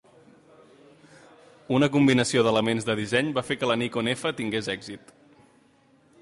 Una combinació d'elements de disseny va fer que la Nikon F tingués èxit.